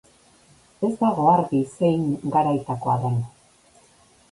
Ez dago argi zein garaikoa den.